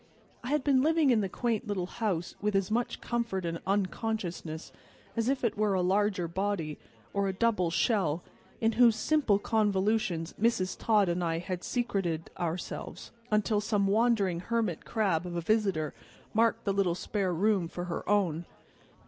I had been living in the quaint little house with as much comfort and unconsciousness as if it were a larger body, or a double shell, in whose simple convolutions Mrs. Todd and I had secreted ourselves, until some wandering hermit crab of a visitor marked the little spare room for her own.